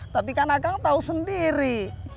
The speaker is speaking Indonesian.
tapi kan agang tahu sendiri